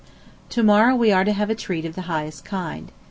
To morrow we are to have a treat of the highest kind.